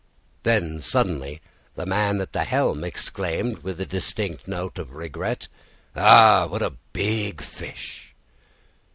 Then suddenly the man at the helm exclaimed with a distinct note of regret, "Ah, what a big fish!"